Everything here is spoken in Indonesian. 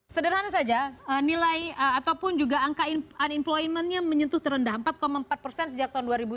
sederhana saja nilai ataupun juga angka unemployment nya menyentuh terendah empat empat persen sejak tahun dua ribu satu